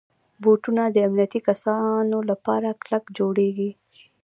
بوټونه د امنیتي کسانو لپاره کلک جوړېږي.